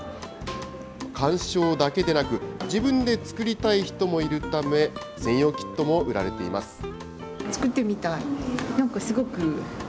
観賞だけでなく、自分で作りたい人もいるため、専用キットも売られています。